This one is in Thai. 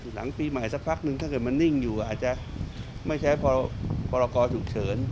หลังปีใหม่สักพักนึงถ้าเกิดมันนิ่งอยู่อาจจะไม่ใช้พรกรฉุกเฉิน